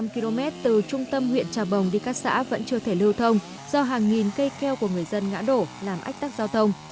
một mươi km từ trung tâm huyện trà bồng đi các xã vẫn chưa thể lưu thông do hàng nghìn cây keo của người dân ngã đổ làm ách tắc giao thông